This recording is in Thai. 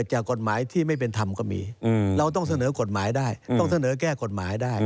จากกฎหมายที่ไม่เป็นธรรมก็มีเราต้องเสนอกฎหมายได้ต้องเสนอแก้กฎหมายได้